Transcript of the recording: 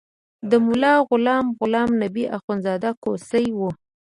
د ملا غلام غلام نبي اخندزاده کوسی و.